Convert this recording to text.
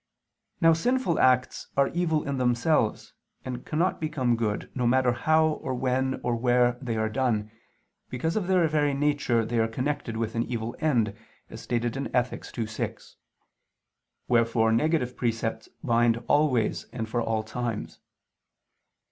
Now sinful acts are evil in themselves, and cannot become good, no matter how, or when, or where, they are done, because of their very nature they are connected with an evil end, as stated in Ethic. ii, 6: wherefore negative precepts bind always and for all times.